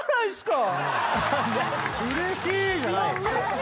⁉うれしいじゃない。